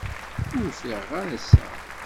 Ur ffiɣeɣ ara ass-a.